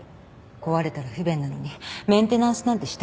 壊れたら不便なのにメンテナンスなんてしたことない。